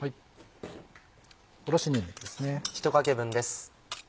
おろしにんにくですね。